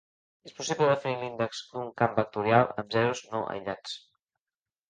És possible definir l'índex d'un camp vectorial amb zeros no aïllats.